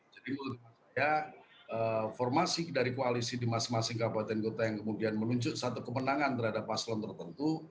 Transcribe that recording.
jadi menurut saya formasi dari koalisi di masing masing kabupaten kota yang kemudian menunjuk satu kemenangan terhadap paslon tertentu